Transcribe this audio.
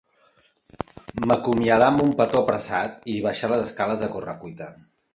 M'acomiadà amb un petó apressat i baixà les escales a corre-cuita.